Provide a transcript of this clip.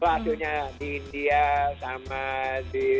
itu hasilnya di india sama di